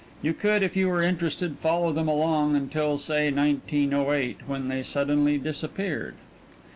You could, if you were interested, follow them along until, say, 1908, when they suddenly disappeared.